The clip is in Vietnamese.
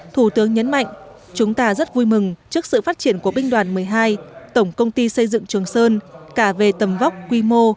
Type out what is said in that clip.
thủ tướng nhấn mạnh chúng ta rất vui mừng trước sự phát triển của binh đoàn một mươi hai tổng công ty xây dựng trường sơn cả về tầm vóc quy mô